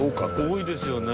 多いですよね。